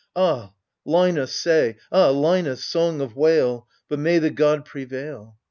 Ah, Linos, say — ah, Linos, song of wail ! But may the good prevail